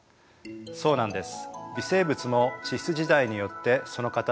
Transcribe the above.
そうなんです。